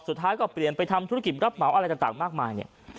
สุดท้ายก็เปลี่ยนไปทำธุรกิจรับเหมาอะไรต่างมากมายเนี่ย